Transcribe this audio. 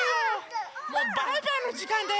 もうバイバイのじかんだよ。